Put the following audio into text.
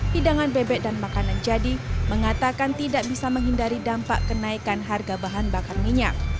hidangan bebek dan makanan jadi mengatakan tidak bisa menghindari dampak kenaikan harga bahan bakar minyak